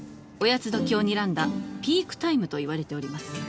おやつ時をにらんだピークタイムといわれております